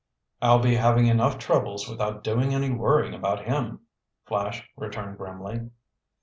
"I'll be having enough troubles without doing any worrying about him," Flash returned grimly.